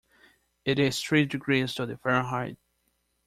It is three degrees to the Fahrenheit.